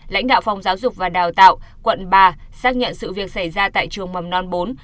lãnh đạo phòng giáo dục và đào tạo quận ba xác nhận sự việc xảy ra tại trường mầm non bốn